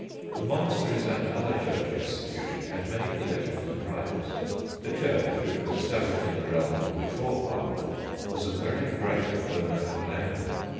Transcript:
The monasteries and other Church institutions had many possessions and rights. The Church, which was established in the realm before Parliament, was a very great owner of land.